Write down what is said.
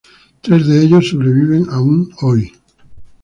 Tres de ellos sobreviven aún hoy.